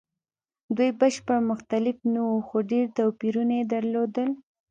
دوی بشپړ مختلف نه وو؛ خو ډېر توپیرونه یې درلودل.